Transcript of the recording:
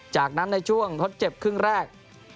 จากนั้นในช่วงทดเจ็บครึ่งแรก